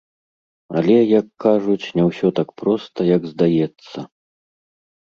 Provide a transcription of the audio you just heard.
Але, як кажуць, не ўсё так проста, як здаецца.